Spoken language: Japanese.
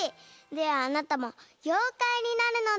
ではあなたもようかいになるのです。